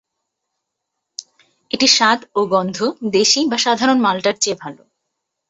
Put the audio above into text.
এটির স্বাদ ও গন্ধ দেশী বা সাধারণ মাল্টার চেয়ে ভাল।